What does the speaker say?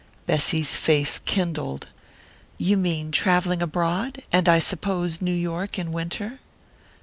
Bessy's face kindled. "You mean travelling abroad and I suppose New York in winter?"